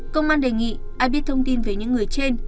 công an đề nghị ai biết thông tin về những người trên